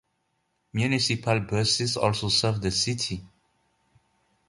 Municipal buses also serve the city.